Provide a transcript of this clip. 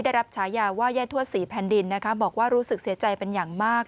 ได้รับฉายาว่าย่าทวดศรีแผ่นดินบอกว่ารู้สึกเสียใจเป็นอย่างมาก